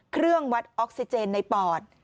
เครื่องวัดออกซิเจนในปอด